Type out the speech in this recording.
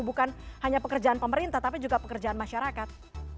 bukan hanya pekerjaan pemerintah tapi juga pekerjaan masyarakat